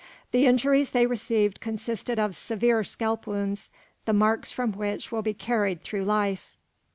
The injuries they received consisted of severe scalp wounds, the marks from which will be carried through life.